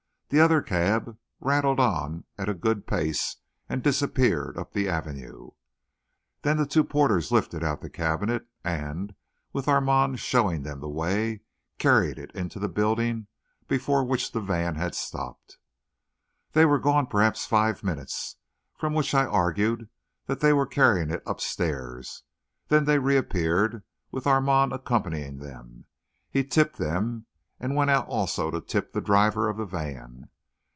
The other cab rattled on at a good pace and disappeared up the Avenue. Then the two porters lifted out the cabinet, and, with Armand showing them the way, carried it into the building before which the van had stopped. They were gone perhaps five minutes, from which I argued that they were carrying it upstairs; then they reappeared, with Armand accompanying them. He tipped them and went out also to tip the driver of the van.